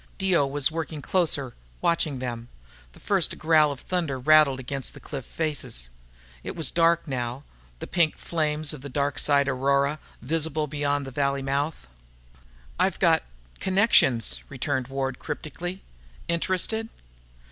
Dio was working closer, watching them. The first growl of thunder rattled against the cliff faces. It was dark now, the pink flames of the Dark side aurora visible beyond the valley mouth. "I've got connections," returned Ward cryptically. "Interested?"